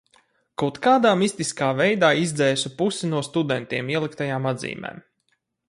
Kaut kādā mistiskā veidā izdzēsu pusi no studentiem ieliktajām atzīmēm.